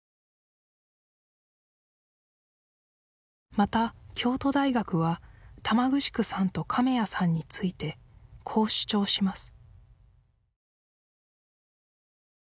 また京都大学は玉城さんと亀谷さんについてこう主張します